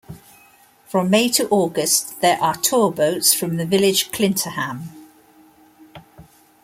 From May to August there are tour boats from the village Klintehamn.